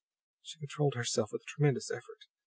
She controlled herself with a tremendous effort.